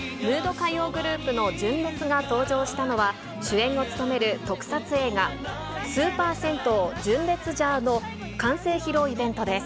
歌謡グループの純烈が登場したのは、主演を務める特撮映画、スーパー戦闘純烈ジャーの完成披露イベントです。